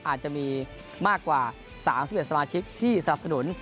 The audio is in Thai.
อาจจะมีมากกว่า๓๑สมาชิกที่สนับสนุน